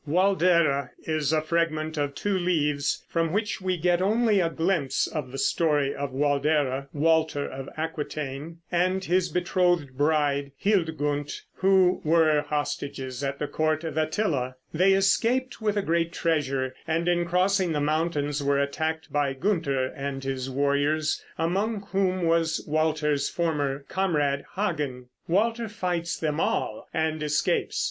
"Waldere" is a fragment of two leaves, from which we get only a glimpse of the story of Waldere (Walter of Aquitaine) and his betrothed bride Hildgund, who were hostages at the court of Attila. They escaped with a great treasure, and in crossing the mountains were attacked by Gunther and his warriors, among whom was Walter's former comrade, Hagen. Walter fights them all and escapes.